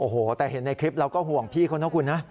โอ้โหแต่เห็นในคลิปเราก็ห่วงพี่เขานะคุณนะ